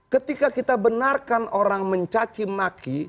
ketika kita benarkan orang mencacimaki